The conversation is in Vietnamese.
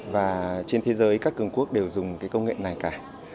và trên thế giới các cường quốc đều dùng cái công nghệ này cả